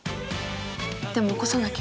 でも起こさなきゃ。